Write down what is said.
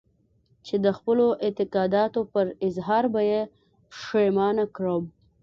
چې د خپلو اعتقاداتو پر اظهار به يې پښېمانه کړم.